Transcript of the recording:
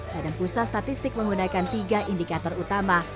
badan pusat statistik menggunakan tiga indikator utama